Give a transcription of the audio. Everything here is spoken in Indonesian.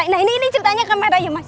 nah ini ceritanya kamera ya mas